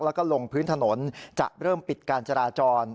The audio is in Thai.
แล้วก็ลงพื้นถนนจะเริ่มปิดการจราจร